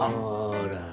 ほら。